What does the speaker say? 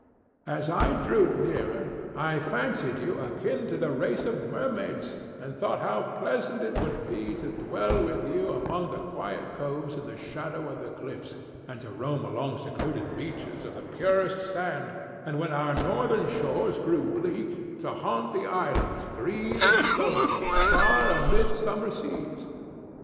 As I drew nearer I fancied you akin to the race of mermaids, and thought how pleasant it would be to dwell with you among the quiet coves in the shadow of the cliffs, and to roam along secluded beaches of the purest sand, and, when our Northern shores grew bleak, to haunt the islands, green and lonely, far amid summer seas.